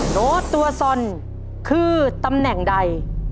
โน้ตตัวซอนคือตำแหน่งใด